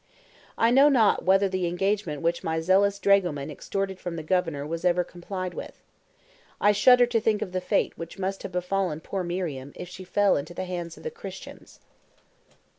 I know not whether the engagement which my zealous dragoman extorted from the Governor was ever complied with. I shudder to think of the fate which must have befallen poor Mariam if she fell into the hands of the Christians.